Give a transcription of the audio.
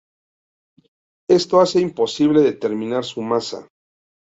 Esto hace imposible determinar su masa.